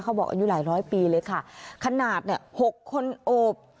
เขาบอกอายุหลายร้อยปีเลยค่ะขนาดเนี่ยหกคนโอบ